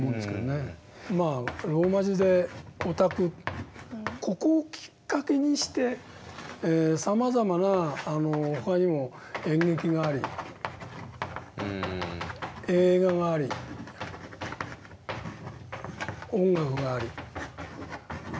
ローマ字で「ＯＴＡＫＵ」ここをきっかけにしてさまざまな他にも演劇があり映画があり音楽があり。